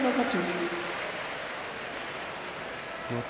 四つ